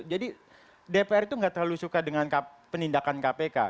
jadi dpr itu gak terlalu suka dengan penindakan kpk